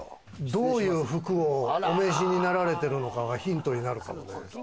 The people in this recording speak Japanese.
どういう服をお召しになられているのかがヒントになるかも。